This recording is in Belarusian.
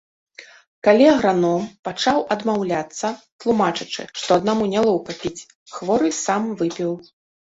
Калі аграном пачаў адмаўляцца, тлумачачы, што аднаму нялоўка піць, хворы сам выпіў.